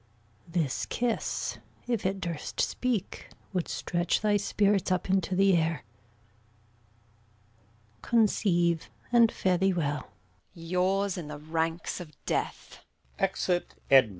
This kiss, if it durst speak, Would stretch thy spirits up into the air. Conceive, and fare thee well. Edm. Yours in the ranks of death! Exit. Gon.